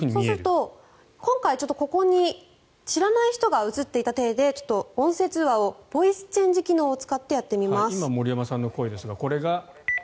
今回、ここに知らない人が映っていた体でボイスチェンジ機能を今、森山さんの声ですがこれが。